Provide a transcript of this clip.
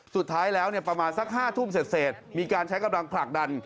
สุดท้ายแล้วประมาณสัก๕ทุ่มเสร็จมีการใช้กำลังผลักดัน